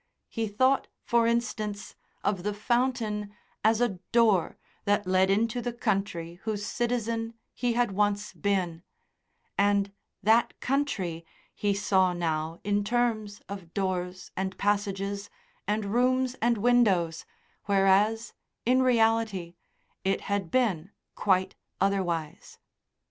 He thought, for instance, of the fountain as a door that led into the country whose citizen he had once been, and that country he saw now in terms of doors and passages and rooms and windows, whereas, in reality, it had been quite otherwise.